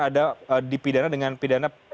ada dipidana dengan pidana